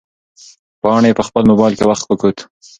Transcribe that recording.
پاڼې په خپل موبایل کې وخت وکوت.